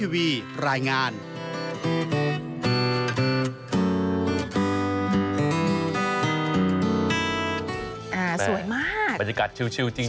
บรรยากาศชิวจริง